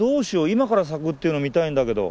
今から咲くっていうの見たいんだけど。